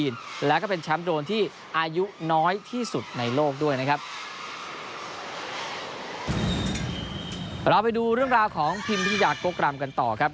เราไปดูเรื่องราวของพิมพิทยากกรำกันต่อครับ